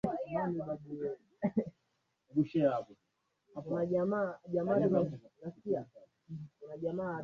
na ndiyo maana tunaendelea kutumisha neno hilo hilo la kingereza na nafikiri baadaye